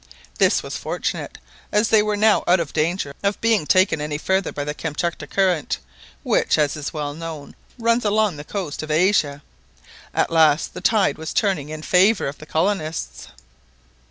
This was fortunate, as they were now out of danger of being taken any farther by the Kamtchatka Current, which, as is well known, runs along the coast of Asia. At last the tide was turning in favour of the colonists!